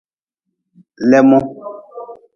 Leemuhu.